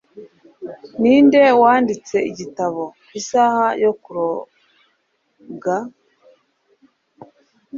Ninde wanditse igitabo "Isaha yo kuroga"?